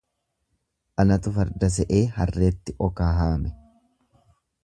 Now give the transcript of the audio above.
Anatu farda se'ee harreetti okaa haame.